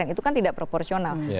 itu kan tidak proporsional